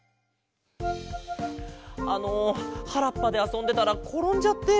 あのはらっぱであそんでたらころんじゃって。